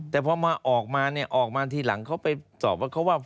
แต่พอมาออกมาเนี่ยออกมาทีหลังเขาไปสอบว่าเขาว่า